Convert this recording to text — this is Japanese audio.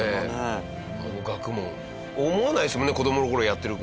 思わないですもんね子どもの頃やってる時。